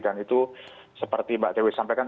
dan itu seperti mbak dewi sampaikan